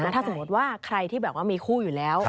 ถ้าสมมติว่าใครที่แบบว่ามีคู่อยู่แล้ว